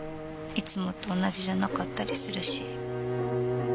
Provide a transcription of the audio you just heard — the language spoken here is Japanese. いつもと同じじゃなかったりするし。